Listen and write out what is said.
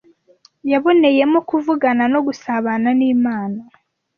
yaboneyemo kuvugana no gusabana n’Imana